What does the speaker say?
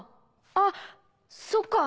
あっそっか。